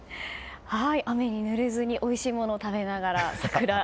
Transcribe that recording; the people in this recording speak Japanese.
雨にぬれずにおいしいものを食べながら桜。